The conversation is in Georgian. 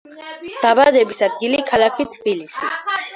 დაბადების ადგილი ქალაქი თბილისი.